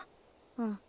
うん。